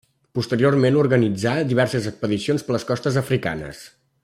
Posteriorment organitzà diverses expedicions per les costes africanes.